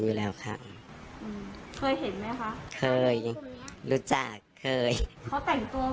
อยู่แล้วค่ะอืมเคยเห็นไหมคะเคยรู้จักเคยเขาแต่งตัว